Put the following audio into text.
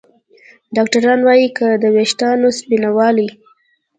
ډاکتران وايي که د ویښتانو سپینوالی